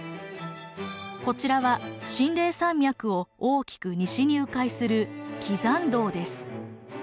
こちらは秦嶺山脈を大きく西に迂回する山道です。